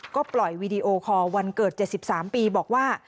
ก็ปล่อยวีดีโอคอลวันเกิด๗๓ปีบอกว่า